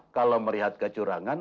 kalau melihat kecurangan